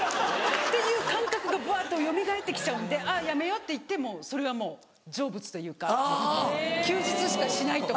っていう感覚がばっとよみがえって来ちゃうんであっやめようっていってもうそれはもう成仏というか休日しかしないとか。